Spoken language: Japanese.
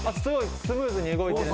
スムーズに動いてる。